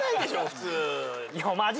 普通。